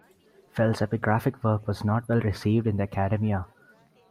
Fell's epigraphic work was not well received in academia.